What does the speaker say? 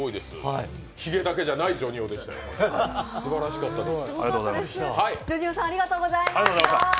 ヒゲだけじゃないＪＯＮＩＯでした、すばらしかったです。